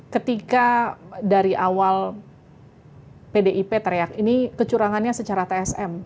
ketika dari awal pdip teriak ini kecurangannya secara tsm